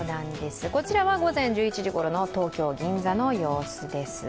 こちらは午前１１時ごろの東京・銀座の様子です。